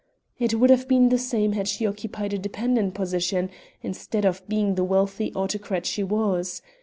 It would have been the same had she occupied a dependent position instead of being the wealthy autocrat she was.